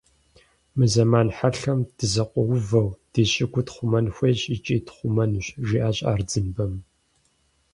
- Мы зэман хьэлъэм, дызэкъуэувэу, ди щӀыгур тхъумэн хуейщ икӀи тхъумэнущ, - жиӏащ Ардзинбэм.